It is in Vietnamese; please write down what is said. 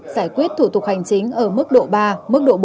giải quyết thủ tục hành chính ở mức độ ba mức độ bốn